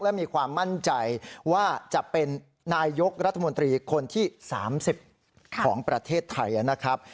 และมีความมั่นใจว่าจะเป็นนายยกรัฐมนตรีคนที่๓๐ของประเทศไทยนะครับ